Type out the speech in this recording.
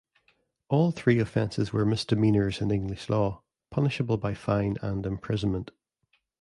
All three offences were misdemeanours in English law, punishable by fine and imprisonment.